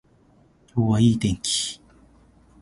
今日はいい天気